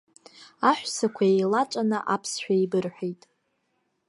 Аҳәсақәа еилаҵәаны аԥсшәа еибырҳәеит.